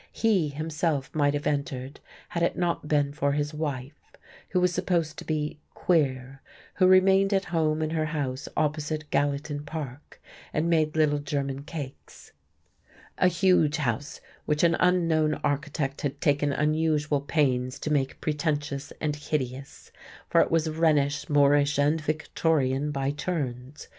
He himself might have entered had it not been for his wife, who was supposed to be "queer," who remained at home in her house opposite Gallatin Park and made little German cakes, a huge house which an unknown architect had taken unusual pains to make pretentious and hideous, for it was Rhenish, Moorish and Victorian by turns.